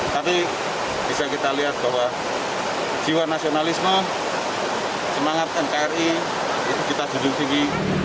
tapi bisa kita lihat bahwa jiwa nasionalisme semangat nkri itu kita junjung tinggi